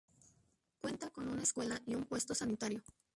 Cuenta con una escuela y un puesto sanitario.